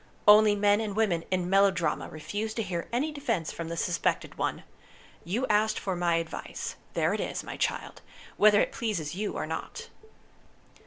Only men and women in melodrama refuse to hear any defense from the suspected one. You asked for my advice. There it is, my child, whether it pleases you or not."